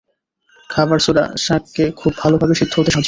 খাবার সোডা শাক কে খুব ভালো ভাবে সিদ্ধ হতে সাহায্য করে।